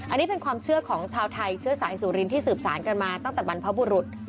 อันนี้เป็นความเชื่อของชาวไทยเชื้อสายสุรินที่สืบสารกันมาตั้งแต่บรรพบุรุษ